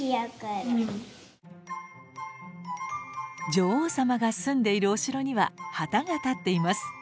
女王さまが住んでいるお城には旗が立っています。